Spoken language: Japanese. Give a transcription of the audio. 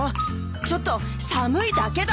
ちょっと寒いだけだ。